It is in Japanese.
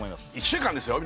１週間ですよ